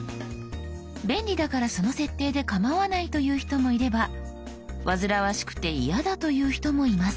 便利だからその設定で構わないという人もいれば煩わしくて嫌だという人もいます。